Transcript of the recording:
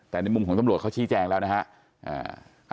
แต่ในมุมของตำรวจเขาชี้แจงแล้วนะฮะ